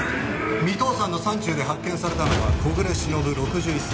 三頭山の山中で発見されたのは小暮しのぶ６１歳。